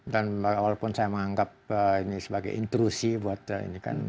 dan walaupun saya menganggap ini sebagai intrusi buat ini kan